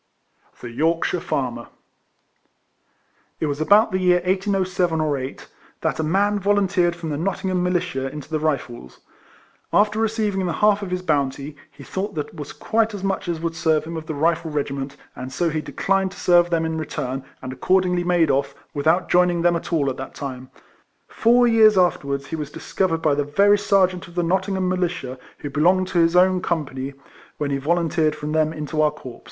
THE YORKSHIRE FARMER. It was about the year 1807 or 8, that a man volunteered from the Nottingham Militia into the Rifles. After receiving the half of his bounty, he thought that was quite as much as would serve him of the Rifle regiment, and so he declined to serve them in return, and accordingly made off, without joining them at all at that time. Four years afterwards he was discovered by the very sergeant of the Nottingham Militia who belonged to his own company when he volunteered from them into our corps.